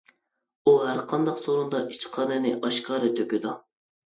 ئۇ ھەرقانداق سورۇندا ئىچ-قارنىنى ئاشكارا تۆكىدۇ.